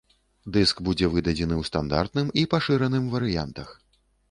Дыск будзе выдадзены ў стандартным і пашыраным варыянтах.